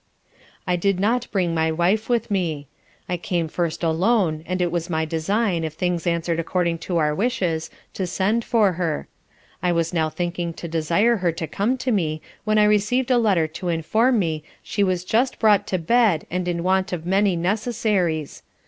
I did not bring my wife with me: I came first alone and it was my design, if things answered according to our wishes, to send for her I was now thinking to desire her to come to me when I receiv'd a letter to inform me she was just brought to bed and in want of many necessaries.